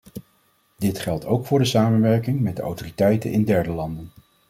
Dit geldt ook voor samenwerking met de autoriteiten in derde landen.